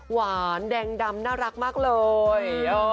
หวานแดงดำน่ารักมากเลย